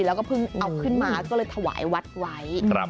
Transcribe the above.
แล้วก็เพิ่งเอาขึ้นมาก็เลยถวายวัดไว้